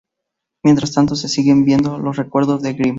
Mientras tanto, se siguen viendo los recuerdos de Grim.